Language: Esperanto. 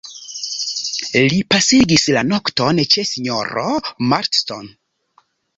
Li pasigis la nokton ĉe sinjoro Marston.